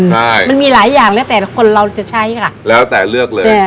ใช่มันมีหลายอย่างแล้วแต่คนเราจะใช้ค่ะแล้วแต่เลือกเลย